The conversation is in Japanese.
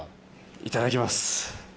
いただきます。